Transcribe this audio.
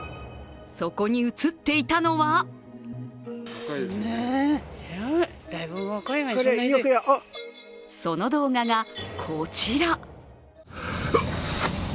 そこに映っていたのはその動画がこちら。